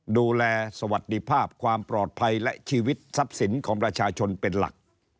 สวัสดีภาพความปลอดภัยและชีวิตทรัพย์สินของประชาชนเป็นหลัก